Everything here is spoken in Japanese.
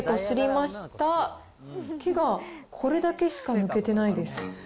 毛がこれだけしか抜けてないです。